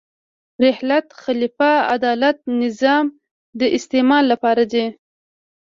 رحلت، خلیفه، عدالت، نظام د استعمال لپاره دي.